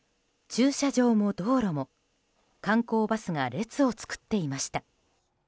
駐車場も道路も観光バスが列を作っていました。